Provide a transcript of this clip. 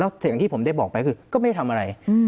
แล้วอย่างที่ผมได้บอกไปคือก็ไม่ได้ทำอะไร